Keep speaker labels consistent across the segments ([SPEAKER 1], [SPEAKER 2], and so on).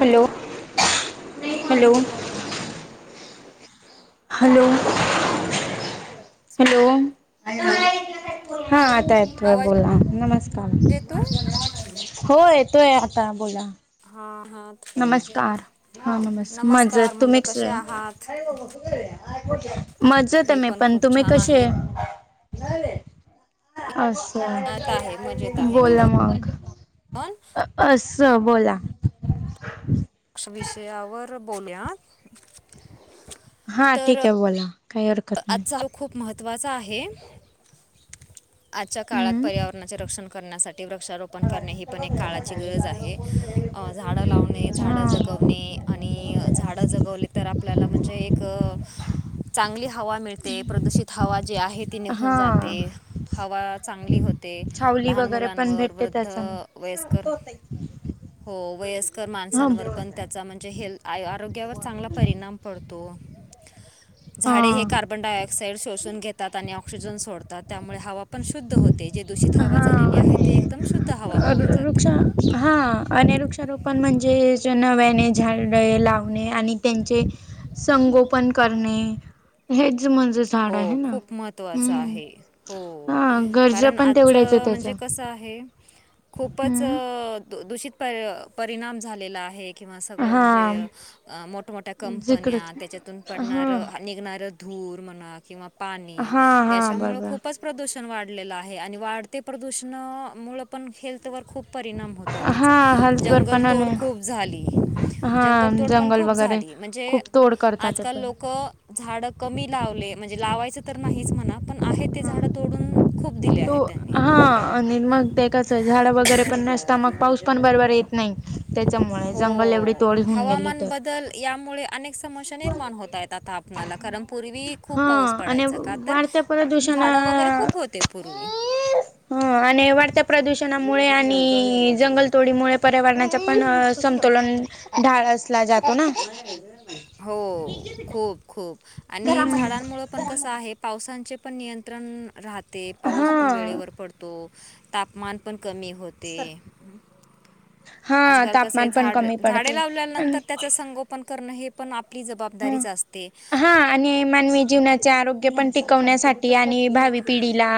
[SPEAKER 1] Hello hello. Hello hello. हा आता येतोय
[SPEAKER 2] आवाज
[SPEAKER 1] बोला नमस्कार.
[SPEAKER 2] येतोय
[SPEAKER 1] हो येतोय आता बोला.
[SPEAKER 2] हा हा.
[SPEAKER 1] नमस्कार हा नमस्कार मजेत
[SPEAKER 2] म्हणलं
[SPEAKER 1] तुम्ही
[SPEAKER 2] कसे
[SPEAKER 1] कसय?
[SPEAKER 2] आहात
[SPEAKER 1] मजेत आय मी पण
[SPEAKER 2] खूप
[SPEAKER 1] तुम्ही
[SPEAKER 2] छान आहे
[SPEAKER 1] कशेय? असं
[SPEAKER 2] मजेत आहे मजेत आहे मी
[SPEAKER 1] बोला मग.
[SPEAKER 2] [unintelligible]
[SPEAKER 1] असं बोला.
[SPEAKER 2] विषयावर बोलूयात.
[SPEAKER 1] हा ठीक आहे बोला काही हरकत. नाही
[SPEAKER 2] आजचाल खूप महत्त्वाचा आहे. [inaudible] आजच्या काळात
[SPEAKER 1] हम्म
[SPEAKER 2] पर्यावरणाचे रक्षण करण्यासाठी वृक्षारोपण. पण हे करणं काळाची गरज आहे झाड लावणे झाड
[SPEAKER 1] हा
[SPEAKER 2] जग आणि झाड जगवले तर आपल्याला म्हणजे एक चांगल्या. हवा मिळते प्रदूषित हवा जी आहे ती निघून जाते
[SPEAKER 1] हा.
[SPEAKER 2] हवा चांगली होते. ते
[SPEAKER 1] छावली
[SPEAKER 2] लहान
[SPEAKER 1] वगैरे पण
[SPEAKER 2] मुलांवर
[SPEAKER 1] भेटते
[SPEAKER 2] वृद्ध
[SPEAKER 1] त्याचा
[SPEAKER 2] वयस्कर.
[SPEAKER 1] ना.
[SPEAKER 2] हो वयस्कर
[SPEAKER 1] हा
[SPEAKER 2] माणसांवर पण त्याचा म्हणजे हेल्. आरोग्यावर चांगला परिणाम पडतो झाडे.
[SPEAKER 1] हा
[SPEAKER 2] कार्बन डायऑक्साइड शोषून घेतात आणि ऑक्सिजन सोडतात त्यामुळे हवा. पण शुद्ध होते जे दूषित हवा झालेली आहे ते एकदम शुद्ध हवा होऊन
[SPEAKER 1] वृक्ष
[SPEAKER 2] जाते.
[SPEAKER 1] हा अने वृक्षारोपण म्हणजे नव्याने झाडे लावणे आणि त्यांचे. संगोपन करणे. हेज म.
[SPEAKER 2] हो खूप महत्त्वाच आहे. हो
[SPEAKER 1] हा गरजा
[SPEAKER 2] कारण
[SPEAKER 1] पण तेवढ्याच
[SPEAKER 2] आजचं
[SPEAKER 1] त्याच्या
[SPEAKER 2] म्हणजे कसं आहे. खूपच
[SPEAKER 1] हम्म
[SPEAKER 2] दूषित पर परिणाम झालेला आहे. किंवा सगळं
[SPEAKER 1] हा
[SPEAKER 2] म्हणजे मोठमोठ्या कंपन्या
[SPEAKER 1] जिकडच
[SPEAKER 2] त्याच्यातून
[SPEAKER 1] हा
[SPEAKER 2] पडणारं निघणारं. धूर म्हणा किंवा पाणी
[SPEAKER 1] हा हा
[SPEAKER 2] याच्यामुळं
[SPEAKER 1] बरोबर
[SPEAKER 2] खूपच. प्रदूषण वाढलेलं आहे आणि वाढते प्रदूषणा मुळ पण हेल्थ वर खूप परिणाम. य त्याचा
[SPEAKER 1] हा हेल्थवर
[SPEAKER 2] जंगल
[SPEAKER 1] पण
[SPEAKER 2] तोड
[SPEAKER 1] आणि
[SPEAKER 2] खूप झाली.
[SPEAKER 1] हा
[SPEAKER 2] जंगलतोड पण
[SPEAKER 1] जंगल
[SPEAKER 2] खूप
[SPEAKER 1] वगैरे
[SPEAKER 2] झाली म्हणजे
[SPEAKER 1] खूप तोड करतात ते
[SPEAKER 2] आजकाल
[SPEAKER 1] पण
[SPEAKER 2] लोक. झाड कमी लावले म्हणजे लावायचं तर नाहीच म्हणा पण. आहे ते
[SPEAKER 1] हा
[SPEAKER 2] झाड तोडून खूप दिले आहे
[SPEAKER 1] तो हा
[SPEAKER 2] त्यांनी.
[SPEAKER 1] आणि मग ते कचं झाड वगैरे पण नसता मग पाऊस पण बरोबर येत नाही. त्याच्यामुळे
[SPEAKER 2] हो
[SPEAKER 1] जंगल एवढी तोडी होऊन गेली
[SPEAKER 2] हवामान
[SPEAKER 1] तर
[SPEAKER 2] बदल यामुळे. अनेक समस्या निर्माण होत आहेत आता आपणाला कारण पूर्वी
[SPEAKER 1] हा
[SPEAKER 2] खूप पाऊस
[SPEAKER 1] आणि
[SPEAKER 2] पडायचा का तर.
[SPEAKER 1] वाढत्या प्रदूषणा
[SPEAKER 2] झाडं वगैरे खूप होते पूर्वी.
[SPEAKER 1] हो आणि वाढत्या प्रदूषणामुळे आणि जंगलतोडीमुळे पर्यावरणाच्या पण. संतोलन ढाळसला जातो ना.
[SPEAKER 2] हो खूप खूप आणि झाडांमुळेळ पण कसं आहे. पावसाांचे पण नियंत्रण राहते पाऊस पण
[SPEAKER 1] हा
[SPEAKER 2] वेळेवर पडतो. तापमान पण कमी होते. [inaudible]
[SPEAKER 1] हा
[SPEAKER 2] आजकाल कसं
[SPEAKER 1] तापमान पण
[SPEAKER 2] झाड
[SPEAKER 1] कमी
[SPEAKER 2] झाडे
[SPEAKER 1] पडते
[SPEAKER 2] लावल्याल्या
[SPEAKER 1] आणि
[SPEAKER 2] नंतर त्याच. संगोपन करणं हे पण आपली
[SPEAKER 1] ह
[SPEAKER 2] जबाबदारीच असते.
[SPEAKER 1] हा आणि मानवी जीवनाचे आरोग्य पण टिकवण्यासाठी आणि भावी पिढीला.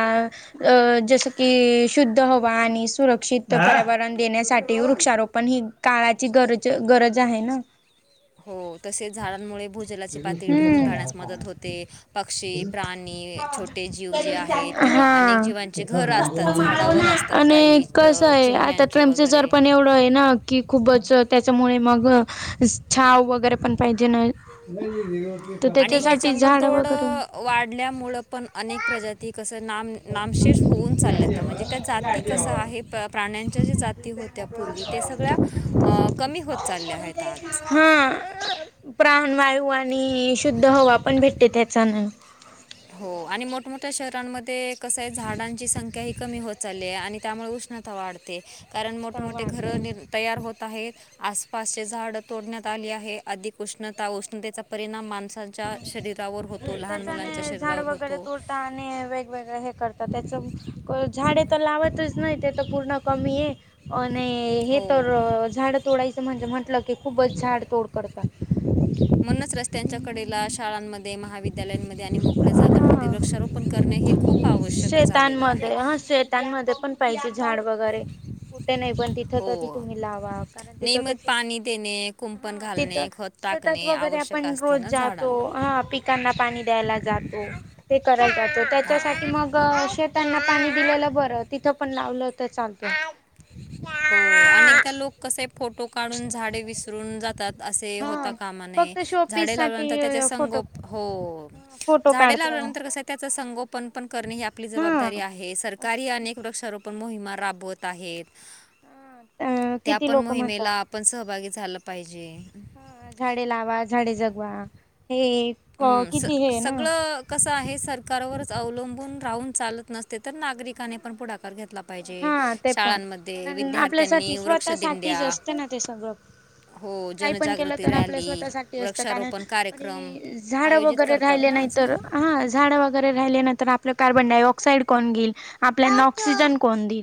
[SPEAKER 1] अं जस की शुद्ध हवा आणि सुरक्षित पर्यावरण देण्यासाठी वृक्षारोपण ही. काळाची गरज गरज आहे ना.
[SPEAKER 2] हो तसेच झाडांमुळे भूजलाची पातळी टिकून
[SPEAKER 1] हम्म
[SPEAKER 2] राहण्यास मदत होते. पक्षी प्राणी छोटे जीव जे आहेत किंवा अनेक
[SPEAKER 1] हा
[SPEAKER 2] जीवांचे घर अस त झाडावर असतात
[SPEAKER 1] आणि
[SPEAKER 2] काही
[SPEAKER 1] कसं आहे
[SPEAKER 2] चिमण्यांचे वगैरे. [inaudible]
[SPEAKER 1] कि खूपच त्याच्यामुळे मग छाव वगैरे पण पाहिजे ना. तर
[SPEAKER 2] आणि हे
[SPEAKER 1] त्याच्यासाठी झाड
[SPEAKER 2] जंगलतोड
[SPEAKER 1] वगैरे.
[SPEAKER 2] अ, वाढल्यामुळं पण अनेक प्रजात. ती कसं नाम नामशेष होऊन चाललंता म्हणजे त्या जाती कसं आहे प्राण्यांच्या जी जाती होत. त्यापूर्वी ते सगळ्या कमी होत चालल्या आहेत आज.
[SPEAKER 1] हा प्राण वायू आणि शुद्ध हवा पण भेटते त्याचान.
[SPEAKER 2] हो आणि मोठमोठ्या शहरांमध्ये कसं आहे झाडांची संख्या ही कमी होत चालली आहे आणि त्यामुळे उष्ण वाढते कारण मोठमठे
[SPEAKER 1] वाढतय
[SPEAKER 2] घरं नि तयार होत आहेत. आसपासचे झाड तोडण्यात आली आहे अधिक उष्णता उष्णतेचा परिणाम माणस. च्या शरीरावर होतो लहान मुलांच्या शरीरावर होतो.
[SPEAKER 1] वेगवेगळ हे करतात त्याच झाडे तर लावतच नाही ते तर पूर्ण कमी आहे. आणि हे तर
[SPEAKER 2] हो
[SPEAKER 1] झाड तोडायचं म्हणजे म्हंटलं की खूपच झाड तोड करतात.
[SPEAKER 2] म्हणूनच रस्त्यांच्या कडेला शाळांमध्ये महाविद्यालयांमध्ये आणि मोकळ्या जागांमध्ये
[SPEAKER 1] हा
[SPEAKER 2] वृक्षारोप खूप आवश्यक झाले आहे.
[SPEAKER 1] त्यांमध्ये पण. झाड वगैरे कुठे नाही पण तिथ तरी
[SPEAKER 2] हो
[SPEAKER 1] तुम्ही लावा कारण तिथ
[SPEAKER 2] नियमित पाणी देणे. कुंपण
[SPEAKER 1] हा
[SPEAKER 2] घालणे
[SPEAKER 1] तिथं
[SPEAKER 2] खत
[SPEAKER 1] शेतात
[SPEAKER 2] टाकणे
[SPEAKER 1] वगैरे
[SPEAKER 2] आवश्यक
[SPEAKER 1] आपण
[SPEAKER 2] असते
[SPEAKER 1] रोज
[SPEAKER 2] ना
[SPEAKER 1] जातो
[SPEAKER 2] झाडांना
[SPEAKER 1] हा प कना पाणी द्यायला जातो ते करय जातो
[SPEAKER 2] हा
[SPEAKER 1] त्याच्यासाठी मग शेतांना पाणी दिलेलं बरं तिथं पण लावलं तर चालत.
[SPEAKER 2] हो अनेकदा लोक कसे फोटो काढून झाडे विसरून जातात. असे होता
[SPEAKER 1] हा
[SPEAKER 2] कामाने
[SPEAKER 1] फक्त शोपीस
[SPEAKER 2] झाडे लावल्यानंतर त्याचे
[SPEAKER 1] साठी फोटो
[SPEAKER 2] संगोप हो
[SPEAKER 1] फोटो
[SPEAKER 2] झाडे
[SPEAKER 1] काढत
[SPEAKER 2] लावल्यानंतर कस त्याच संगोपन पण करणे ह आपली
[SPEAKER 1] हा
[SPEAKER 2] जबाबदारी आहे सरकारी अनेक वृक्षारप मोहिमा राबवत आहेत
[SPEAKER 1] हा
[SPEAKER 2] त्या
[SPEAKER 1] किती
[SPEAKER 2] पण
[SPEAKER 1] लोक म्हणता
[SPEAKER 2] मोहिमेला पण सहभागी झालं पाहिजे.
[SPEAKER 1] हा झाडे लावा झाडे जगवा हे.
[SPEAKER 2] हम् स
[SPEAKER 1] किती हे ना
[SPEAKER 2] सगळं. कसं आहे सरकारवरच अवलंबून राहून चालत नसते तर नागरिकाने पण पुढाकार घेतला
[SPEAKER 1] हा ते पण
[SPEAKER 2] शाळांमध्ये
[SPEAKER 1] कारण
[SPEAKER 2] विद्यार्थ्यांनी
[SPEAKER 1] आपल्यासाठी
[SPEAKER 2] वृक्ष दिंड्या
[SPEAKER 1] स्वतःसाठीच असते ना ते सगळं
[SPEAKER 2] हो
[SPEAKER 1] काही पण केलं
[SPEAKER 2] जनजागृती
[SPEAKER 1] तर आपल्या
[SPEAKER 2] रॅली
[SPEAKER 1] स्वतःसाठी असतं कारण
[SPEAKER 2] वृक्षारोपण कार्यक्रम
[SPEAKER 1] आणि झाडं
[SPEAKER 2] आयोजित
[SPEAKER 1] वगैरे
[SPEAKER 2] करतात
[SPEAKER 1] राहिले
[SPEAKER 2] ना
[SPEAKER 1] नाही तर
[SPEAKER 2] आजकाल.
[SPEAKER 1] हा झाड वगैरे राहिल्या नंतर आपलं कार्बन डायऑक्साइड कोण घईल आपल्याना ऑक्सिजन कोन दिल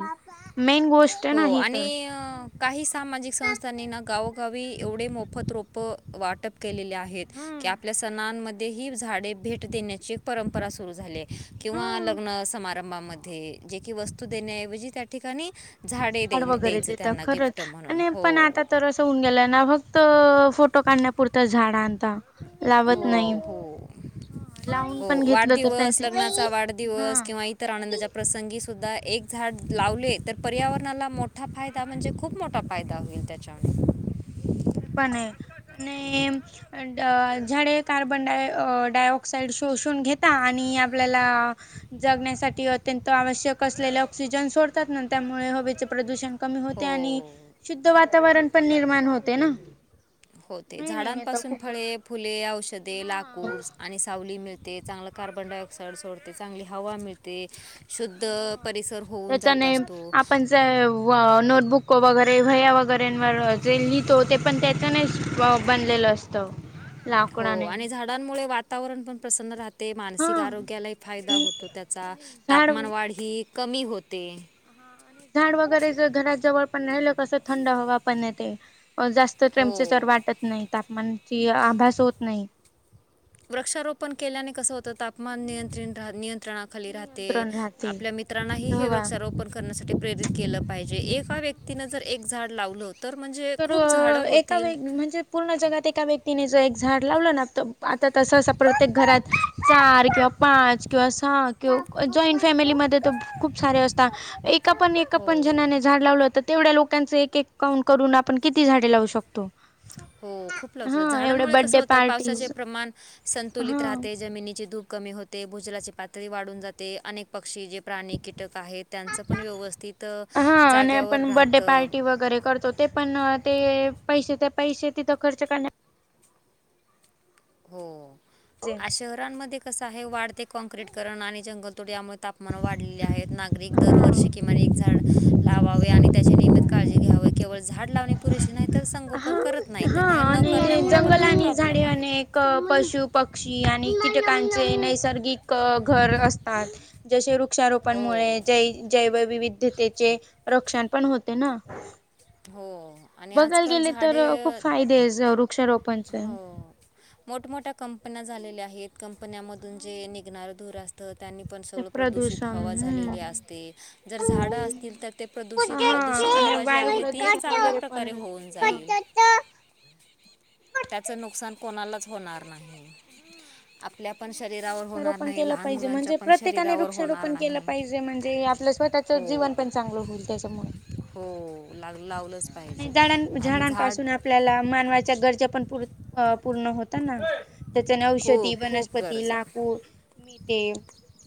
[SPEAKER 1] मेन गोष्ट आहे नाही तर
[SPEAKER 2] ह. काही सामाजिक संस्थांनी ना गावोगावी एवढे मोफत रोपं वाटप केलेले आहेत. की
[SPEAKER 1] हम्म
[SPEAKER 2] आपल्या सणांमध्ये ही झाडे भेट देण्याची परंपरा सुरू झाली. किंवा
[SPEAKER 1] हा
[SPEAKER 2] लग्न समारंभामध्ये जे कि वस्तू देण्याऐवजी त्या ठिकाणी झाडे दे
[SPEAKER 1] झाड वगैरे
[SPEAKER 2] द्यायचे त्यांना गिफ्ट म्हणून हो
[SPEAKER 1] न गेला ना फक्त फोटो काढण्याप झाडां आणता लावत नाही.
[SPEAKER 2] हो हो
[SPEAKER 1] लावून
[SPEAKER 2] हो
[SPEAKER 1] पण घेतलं तर त्यांचे हा
[SPEAKER 2] तर आनंदाच्या प्रसंगी सुद्धा एक झाड लावले तर पर्यावरणाला मोठा फायदा म्हणजे खूप मोठा फायदा होईल त्याच्यामुळे
[SPEAKER 1] ते प आणि झाडे कार्बन डा डायऑक्साइड शोषून घेता आणि आपल्याला जगण्यासाठी अत्यंत आवश्यक असलेले ऑक्सिजन सोडतात ना त्यामुळे हवेचे प्रदूषण क होते आणि
[SPEAKER 2] हो
[SPEAKER 1] शुद्ध वातावरण पण निर्माण होते. ना
[SPEAKER 2] होते
[SPEAKER 1] नाही नाही हे तर
[SPEAKER 2] झाडांपासून
[SPEAKER 1] खूपच
[SPEAKER 2] फळे फुले औषधे
[SPEAKER 1] हा
[SPEAKER 2] लाकूड आणि सावली मिळते चांगलं कार्बन डायऑक्साइड सोडते चांगली हवा मिळते. शुद्ध
[SPEAKER 1] हा
[SPEAKER 2] परिसर होऊन जात
[SPEAKER 1] त्याच्याने
[SPEAKER 2] असतो.
[SPEAKER 1] आपण नोटबुक वगैरे वया वगैरेवर जे लिहितो ते पण त्या त्याने बनलेल असतं.
[SPEAKER 2] हो
[SPEAKER 1] लाकडाने
[SPEAKER 2] आणि झाडांमुळे वातावरण पण प्रसन्न राह ते मानसिक
[SPEAKER 1] हा
[SPEAKER 2] आरोग्यालाही फायदा होतो त्याचा
[SPEAKER 1] आणि झाड
[SPEAKER 2] तापमान वाढ ही कमी होते
[SPEAKER 1] हा आणि झाड वगैरे जर घरात जवळ पण राहिलं कसं थंड हवा पण येते जास्त तर
[SPEAKER 2] हो
[SPEAKER 1] टेमप्रेचर वाटत नाही तापमानाची आभास होत नाही
[SPEAKER 2] वृक्षारोपण केल्याने कसं होतं तापमान नियंत्रणाात आपली राहते
[SPEAKER 1] नियंत्रण राहते
[SPEAKER 2] आपल्या मित्रांनाही
[SPEAKER 1] थंड
[SPEAKER 2] हे
[SPEAKER 1] हवा
[SPEAKER 2] वृक्षारोपण स करण्यासाठी प्रेरित केलं पाहिजे एका व्यक्तीनं जर एक झाड लावलं. तर म्हणजे
[SPEAKER 1] तर
[SPEAKER 2] खूप झाडं
[SPEAKER 1] एका
[SPEAKER 2] होतील
[SPEAKER 1] वे म्हणजे पूर्ण जगात एका व्यक्तीने जो एक झाड लावलं ना आता तस प्रत्येक घरात चार किंवा पाच किंवा सहा किंवा जॉईंट फॅमिलीमध्ये तर खूप सारे असतात एका पण एका
[SPEAKER 2] हो
[SPEAKER 1] पण जणने झाड लावलं होता तेवढ्या लोकांचं एक एक काउंट करून आपण किती झाडे लावू शकतो
[SPEAKER 2] हो खूप लवस हो
[SPEAKER 1] हा एवढे
[SPEAKER 2] झाडांमुळे कसं
[SPEAKER 1] बड्डे
[SPEAKER 2] होतं पावसाचे
[SPEAKER 1] पार्टीज
[SPEAKER 2] प्रमाण
[SPEAKER 1] हा
[SPEAKER 2] संतुलित राहते जमिनीची धूप कमी होते भुजलाची पातळी वाढून जाते अनेक पक्षी जे प्राणी कीटक आहेत त्यांचं पण व्यवस्थितं
[SPEAKER 1] हा आणि
[SPEAKER 2] जागेवर
[SPEAKER 1] आपण बड्डे
[SPEAKER 2] राहतं
[SPEAKER 1] पार्टी वगैरे करतो ते पण ते पैसे ते पैसे तिथं खर्च करण्या
[SPEAKER 2] हो आ शहरांमध्ये कस आहे वाढते काँक्रीट करण आणि जंगलतोड यामुळे तापमान वाढलेली आहेत नागरिक दरवर्षी किमान एक झाड लावावे आणि त्याची नियमित काळजी घ्यावे केवळ झाड लावणे पुरेसे नाही तर संगोपन
[SPEAKER 1] हा
[SPEAKER 2] करत नाहीत
[SPEAKER 1] हा
[SPEAKER 2] न हे न करण्यामुळे पण खूप प्रॉब्लेम आहेत
[SPEAKER 1] क पशु पक्षी आणि कीटकांचे नैसर्गिक घर असतात जसे
[SPEAKER 2] हो
[SPEAKER 1] वृक्षारोपांमुळे जै जैवविविधतेचे रक्षण पण होते ना
[SPEAKER 2] हो आणि
[SPEAKER 1] बघायला
[SPEAKER 2] आजकाल
[SPEAKER 1] गेले तर
[SPEAKER 2] झाडे
[SPEAKER 1] खूप फायदे वृक्षारोपणचे
[SPEAKER 2] हो मोठमोठ्या कंपन्या झालेल्या आहेत कंपन्यामधून जे निघणारं धूर असतं त्यांनी पण
[SPEAKER 1] ते
[SPEAKER 2] सगळं प्रदूषित
[SPEAKER 1] प्रदूषण
[SPEAKER 2] हवा झालेली
[SPEAKER 1] हम्म
[SPEAKER 2] असते जर झाडं असतील तर ते प्रदूषित हा दूषित
[SPEAKER 1] आणि
[SPEAKER 2] हवा जी
[SPEAKER 1] वायू
[SPEAKER 2] आहे ती एक
[SPEAKER 1] प्रदूषण
[SPEAKER 2] चांगल्या
[SPEAKER 1] वगैरे पण
[SPEAKER 2] प्रकारे होऊन
[SPEAKER 1] खूप आहे ना.
[SPEAKER 2] जाईल
[SPEAKER 1] हा
[SPEAKER 2] त्याचं नुकसान कोणालाच होणार नाही आपल्या पण
[SPEAKER 1] त्याच्यामुळे आपण
[SPEAKER 2] शरीरावर होणार
[SPEAKER 1] वृक्षारोपण
[SPEAKER 2] नाही
[SPEAKER 1] केलं
[SPEAKER 2] लहान
[SPEAKER 1] पाहिजे
[SPEAKER 2] मुलांच्या
[SPEAKER 1] म्हणजे
[SPEAKER 2] पण
[SPEAKER 1] प्रत्येकाने
[SPEAKER 2] शरीरावर होणार
[SPEAKER 1] वृक्षारोपण केलं
[SPEAKER 2] नाही
[SPEAKER 1] पाहिजे म्हणजे आपल्या स्वतः च
[SPEAKER 2] हो
[SPEAKER 1] जीवन पण चांगल होईल त्याच्यामुळे
[SPEAKER 2] हो लाग लावलंच पाहिजे
[SPEAKER 1] आणि झाडां
[SPEAKER 2] आणि झाड
[SPEAKER 1] झाडांपासून आपल्याला मानवाच्या गरजा पण पुर अं पूर्ण होता ना त्याचेने औषधी
[SPEAKER 2] खूप खूप
[SPEAKER 1] वनस्पती
[SPEAKER 2] गरजा
[SPEAKER 1] लाकूड मिळते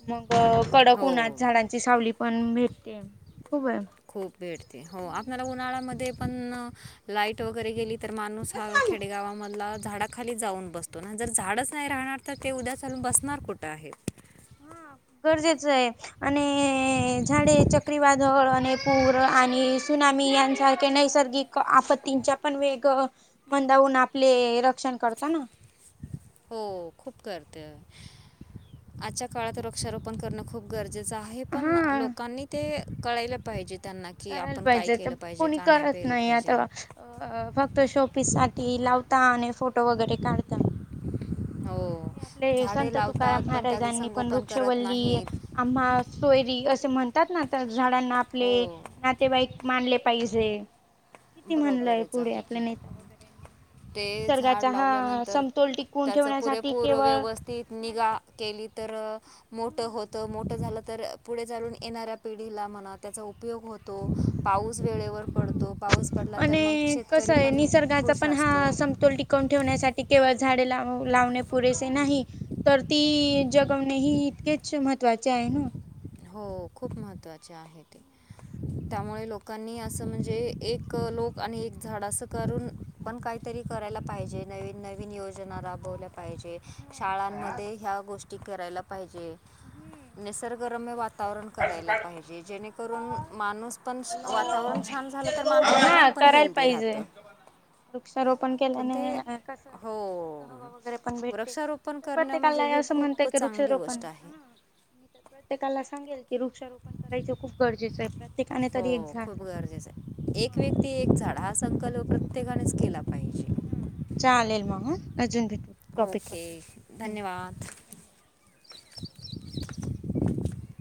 [SPEAKER 1] मग बघ कडक उन्हात
[SPEAKER 2] हो
[SPEAKER 1] झाडांची सावली पण भेटते खूप हे
[SPEAKER 2] खूप भेटते हो आपल्याला उन्हाळ्यामध्ये पण लाईट वगैरे गेली तर माणूस हा खेडेगावामधला झाडा खाली जाऊन बसतो ना जर झाडच नाही राहणार तर ते उद्या चालून बसणार कुठं आहेतं
[SPEAKER 1] हा गरजेचंय आणि झाडे चक्रीवादळ आणि पूर आणि सुनामी यांसारखे नैसर्गिक आपत्तींच्या पण वेग मंदावून आपले रक्षण करताना
[SPEAKER 2] हो खूप करते आजच्या काळात वृक्षारोपण करण खूप गरजेचं आहे पण
[SPEAKER 1] हा
[SPEAKER 2] लोकांनी ते कळायला पाहिजे त्यांना की
[SPEAKER 1] करायला
[SPEAKER 2] आपण काय
[SPEAKER 1] पाहिजे तर
[SPEAKER 2] केलं पाहिजे
[SPEAKER 1] कोणी
[SPEAKER 2] का
[SPEAKER 1] करत
[SPEAKER 2] केलं
[SPEAKER 1] नाही आता
[SPEAKER 2] पाहिजे
[SPEAKER 1] अ फक्त शोपीस साठी लावता आणि फोटो वगैरे काढता
[SPEAKER 2] हो
[SPEAKER 1] आपले
[SPEAKER 2] झाडे
[SPEAKER 1] संत तुकाराम
[SPEAKER 2] लावतात पण त्याचं
[SPEAKER 1] महाराजांनी पण
[SPEAKER 2] संगोपन करत
[SPEAKER 1] वृक्षवल्ली
[SPEAKER 2] नाहीत
[SPEAKER 1] आम्हा सोयरी असे म्हणतात ना तर झाडांना आपले
[SPEAKER 2] हो
[SPEAKER 1] नातेवाईक मानले पाहिजे किती म्हणलंय
[SPEAKER 2] बरोबरच
[SPEAKER 1] पुढे
[SPEAKER 2] आहे
[SPEAKER 1] आपल्या
[SPEAKER 2] की
[SPEAKER 1] नेता
[SPEAKER 2] ते
[SPEAKER 1] वगैरेनी
[SPEAKER 2] झाड
[SPEAKER 1] निसर्गाचा हा
[SPEAKER 2] लावल्यानंतर
[SPEAKER 1] समतोल टिकवून ठेवण्यासाठी केवळ
[SPEAKER 2] तीतं
[SPEAKER 1] झाडे
[SPEAKER 2] निगा केली तर मोठं होतं मोठं झालं तर पुढे चालून येणाऱ्या पिढीला म्हणा त्याचा उपयोग होतो पाऊस वेळेवर पडतो पाऊस पडला तर मग
[SPEAKER 1] आणि
[SPEAKER 2] शेतकरी
[SPEAKER 1] कसं
[SPEAKER 2] पण खुश असतो
[SPEAKER 1] कवून ठेवण्यासाठी केवळ झाडे लाव लावणे पुरेसे नाही तर ती जगवणे ही इतकेच महत्त्वाचे आहे ना
[SPEAKER 2] हो खूप महत्वाचे आहेत त्यामुळे लोकांनी असं म्हणजे एक लोक आणि एक झाड असं करून पण काहीतरी करायला पाहिजे नवीन नवीन योजना राब कवल्या पाहिजे शाळांमध्ये ह्या गोष्टी करायला पाहिजे निसर्ग वातावरण करायला पाहिजे जेणे करून माणूस पण वातावरण छान झाल तर माणसाचं मन
[SPEAKER 1] हा
[SPEAKER 2] पण
[SPEAKER 1] करायला
[SPEAKER 2] हेल्दी
[SPEAKER 1] पाहिजे
[SPEAKER 2] राहतं.
[SPEAKER 1] वृक्षारोपण
[SPEAKER 2] पण ते
[SPEAKER 1] केल्याने कस
[SPEAKER 2] हो
[SPEAKER 1] शुद्ध हवा वगैरे पण भेटते
[SPEAKER 2] वृक्षारोपण करणं
[SPEAKER 1] प्रत्येकाला
[SPEAKER 2] म्हणजे हे
[SPEAKER 1] असं म्हण ते
[SPEAKER 2] खूप
[SPEAKER 1] कां वृक्ष
[SPEAKER 2] चांगली गोष्ट
[SPEAKER 1] रोपण.
[SPEAKER 2] आहे
[SPEAKER 1] प्रत्येकाला सांगेल की वृक्षारोपण करायचं खू गरजेचं आहे्य.
[SPEAKER 2] हो खूप गरजेचं आहे. एक
[SPEAKER 1] हा
[SPEAKER 2] व्यक्ती एक झाड हा संकल्प प्रत्येकानेच
[SPEAKER 1] हा
[SPEAKER 2] केला पाहिजे.
[SPEAKER 1] हा चालेल मग अजून भेटू. टॉपिक वर
[SPEAKER 2] ओके
[SPEAKER 1] दुसऱ्या. हम्म
[SPEAKER 2] धन्यवाद.
[SPEAKER 1] ओके धन्यवाद.